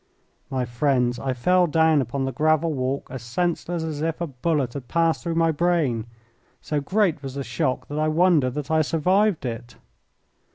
My friends, I fell down upon the gravel walk as senseless as if a bullet had passed through my brain. So great was the shock that I wonder that I survived it.